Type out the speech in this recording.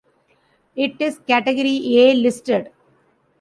It is category A listed.